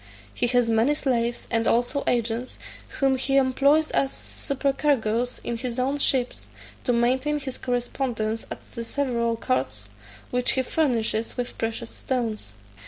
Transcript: He has many slaves, and also agents, whom he employs as supercargoes in his own ships, to maintain his correspondence at the several courts, which he furnishes with precious stones.